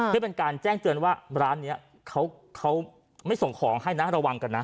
เพื่อเป็นการแจ้งเตือนว่าร้านนี้เขาไม่ส่งของให้นะระวังกันนะ